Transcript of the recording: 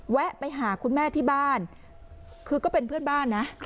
แวะไปหาคุณแม่ที่บ้านคือก็เป็นเพื่อนบ้านนะ